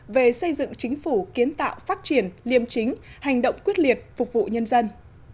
về xây dựng chính phủ kiến tạo phát triển liêm chính hành động quyết liệt phục vụ nhân dân